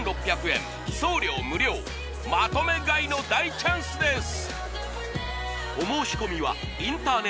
送料無料まとめ買いの大チャンスです